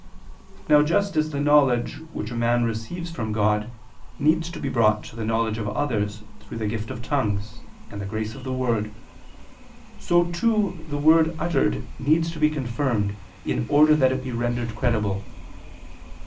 Now just as the knowledge which a man receives from God needs to be brought to the knowledge of others through the gift of tongues and the grace of the word, so too the word uttered needs to be confirmed in order that it be rendered credible.